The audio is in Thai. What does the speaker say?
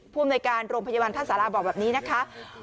อำนวยการโรงพยาบาลท่าสาราบอกแบบนี้นะคะ